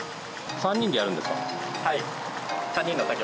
はい。